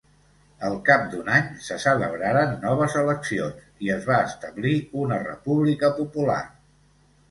Al cap d'un any se celebraren noves eleccions, i es va establir una república popular.